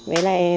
với lại ăn